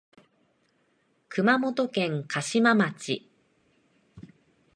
熊本県嘉島町